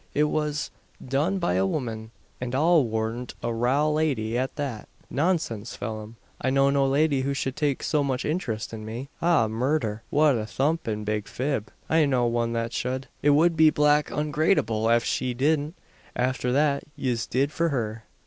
It was done by a wuman; and I'll warrant a raal lady at that." "Nonsense, Phelim! I know no lady who should take so much interest in me." "Aw, murdher! What a thumpin' big fib! I know won that shud. It wud be black ungratytude av she didn't afther what yez did for her.